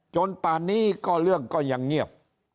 ป่านนี้ก็เรื่องก็ยังเงียบ